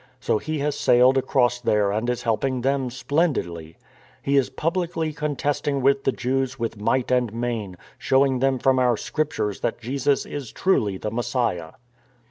So he has sailed across there and is helping them splendidly. He is publicly contesting with the Jews with might and main, showing them from our scriptures that Jesus is truly the Messiah."